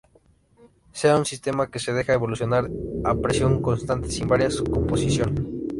Sea un sistema que se deja evolucionar a presión constante sin variar su composición.